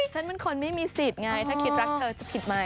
ฉันเป็นคนไม่มีสิทธิ์ไงถ้าคิดรักเธอจะผิดไหม